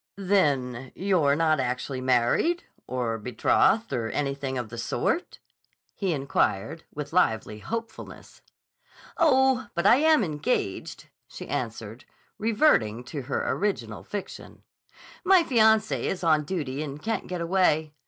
"Then you're not actually married or betrothed or anything of the sort?" he inquired with lively hopefulness. "Oh, but I am engaged," she answered, reverting to her original fiction. "My fiancé is on duty and can't get away.